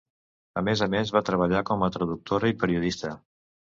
A més a més, va treballar com a traductora i periodista.